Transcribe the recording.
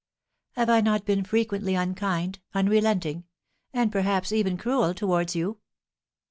"Have I not been frequently unkind, unrelenting, and perhaps even cruel, towards you?